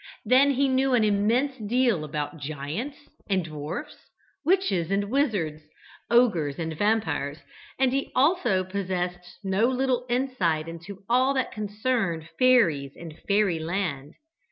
Then he knew an immense deal about giants and dwarfs, witches and wizards, ogres and vampires, and he also possessed no little insight into all that concerned fairies and fairy land.